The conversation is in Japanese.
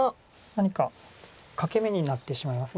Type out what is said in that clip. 何か欠け眼になってしまいます